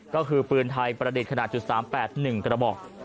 ก็คือปืนไทยประดิษฐ์ขนาด๓๘๑กระบอก